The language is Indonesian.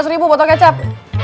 tujuh ratus ribu botol kecap